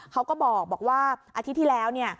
เขาก็บอกว่าอาทิตย์ที่แล้วเนี่ย